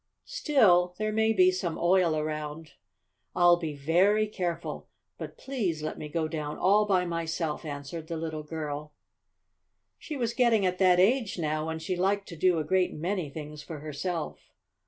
"Still, there may be some oil around." "I'll be very careful. But please let me go down all by myself," answered the little girl. She was getting at that age now when she liked to do a great many things for herself.